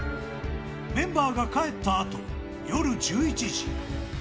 メンバーが帰ったあと、夜１１時。